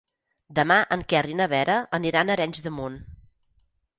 Demà en Quer i na Vera aniran a Arenys de Munt.